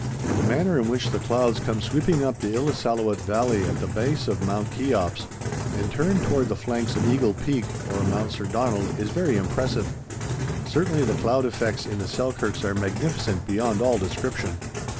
The manner in which the clouds come sweeping up the Illicellewaet valley at the base of Mount Cheops and turn toward the flanks of Eagle Peak or Mount Sir Donald is very impressive. Certainly the cloud effects in the Selkirks are magnificent beyond all description.